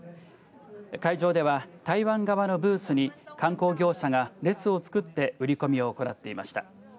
会場では台湾側のブースに観光業者が列を作って売り込みを行っていました。